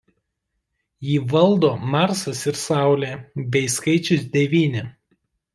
Jį valdo Marsas ir Saulė bei skaičius Devyni.